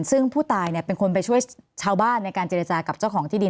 ซึ่งผู้ตายเป็นคนไปช่วยชาวบ้านในการเจรจากับเจ้าของที่ดิน